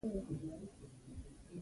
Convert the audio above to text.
د مستونګ څخه د ګرمسیر خواته ولاړ.